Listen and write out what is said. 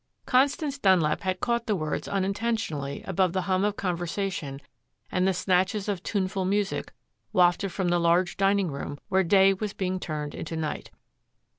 Constance Dunlap had caught the words unintentionally above the hum of conversation and the snatches of tuneful music wafted from the large dining room where day was being turned into night.